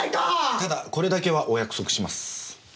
ただこれだけはお約束します。